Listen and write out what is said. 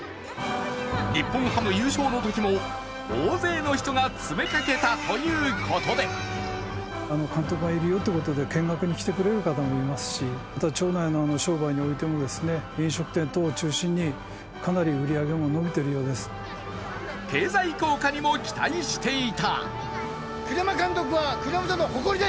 日本ハム優勝のときも大勢の人が詰めかけたということで経済効果にも期待していた。